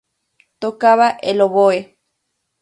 Tocaba el oboe.